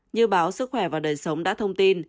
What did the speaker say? như báo sức khỏe và đời sống đã thông tin